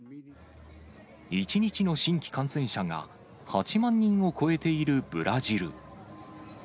１日の新規感染者が８万人を超えているブラジル。